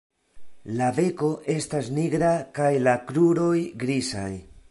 La beko estas nigra kaj la kruroj grizaj.